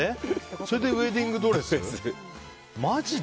それでウェディングドレス？